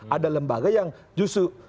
ada lembaga yang justru